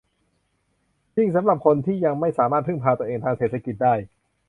ยิ่งสำหรับคนที่ยังไม่สามารถพึ่งพาตัวเองทางเศรษฐกิจได้